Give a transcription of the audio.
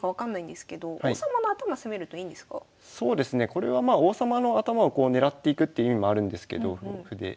これはまあ王様の頭を狙っていくっていう意味もあるんですけど歩で。